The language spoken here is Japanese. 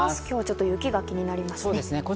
今日はちょっと雪が気になりますね。